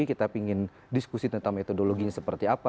kita ingin diskusi tentang metodologinya seperti apa